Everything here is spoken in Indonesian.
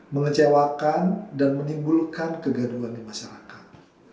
mengecewakan dan menimbulkan kegaduhan di masyarakat